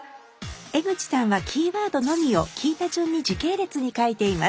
江口さんはキーワードのみを聞いた順に時系列に書いています。